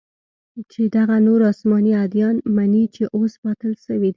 چې دغه نور اسماني اديان مني چې اوس باطل سوي دي.